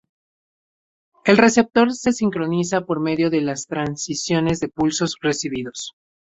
El receptor se sincroniza por medio de las transiciones de pulsos recibidos.